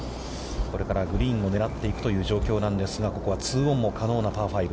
これからグリーンを狙っていくという状況なんですがここはツーオンも可能なパー５。